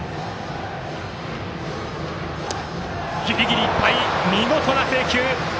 ギリギリいっぱい見事な制球！